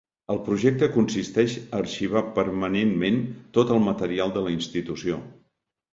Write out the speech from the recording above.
El projecte consisteix a arxivar permanentment tot el material de la institució.